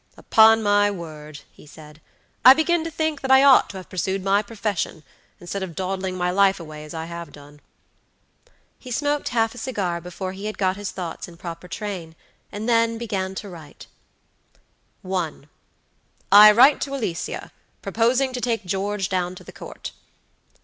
"Upon my word," he said, "I begin to think that I ought to have pursued my profession, instead of dawdling my life away as I have done." He smoked half a cigar before he had got his thoughts in proper train, and then began to write: "1. I write to Alicia, proposing to take George down to the Court."